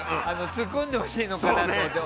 ツッコんでほしいのかなと思って。